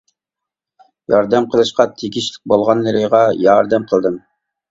ياردەم قىلىشقا تېگىشلىك بولغانلىرىغا ياردەم قىلدىم.